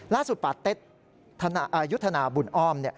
ล่าสุดป่าเต็ดยุทธนาบุญอ้อม